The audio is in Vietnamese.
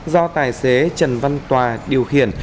do tài xế trần văn tòa điều khiển